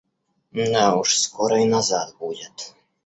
Да уж скоро и назад будет.